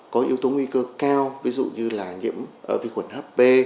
có yếu tố nguy cơ cao ví dụ như là nhiễm vi khuẩn hp